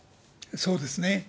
そうですね。